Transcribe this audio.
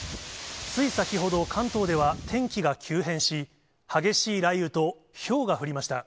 つい先ほど、関東では天気が急変し、激しい雷雨とひょうが降りました。